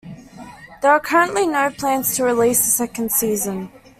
There are currently no plans to release the second season.